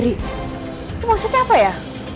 itu maksudnya apa ya